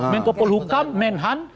menkopul hukam menhan